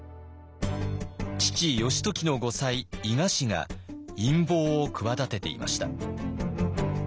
父義時の後妻伊賀氏が陰謀を企てていました。